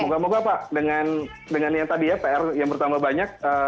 moga moga pak dengan yang tadi ya pr yang bertambah banyak